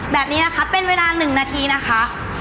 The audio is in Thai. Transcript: แบบนี้นะคะเป็นเวลา๑นาทีนะคะ